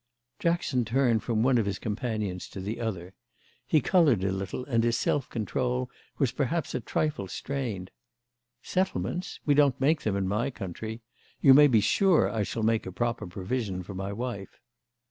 Jackson turned from one of his companions to the other; he coloured a little and his self control was perhaps a trifle strained. "Settlements? We don't make them in my country. You may be sure I shall make a proper provision for my wife."